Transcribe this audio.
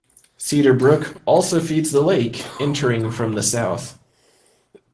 Cedar Brook also feeds the lake, entering from the south.